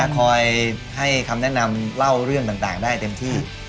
คอยให้คำแนะนำเล่าเรื่องต่างได้เต็มที่